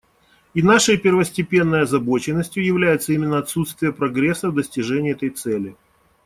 И нашей первостепенной озабоченностью является именно отсутствие прогресса в достижении этой цели.